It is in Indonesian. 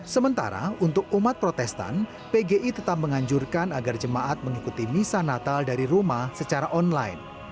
sementara untuk umat protestan pgi tetap menganjurkan agar jemaat mengikuti misa natal dari rumah secara online